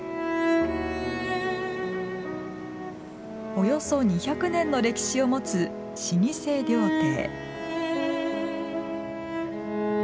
およそ２００年の歴史を持つ老舗料亭。